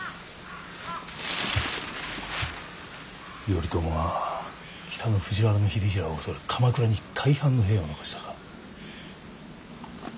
頼朝は北の藤原秀衡を恐れて鎌倉に大半の兵を残したか。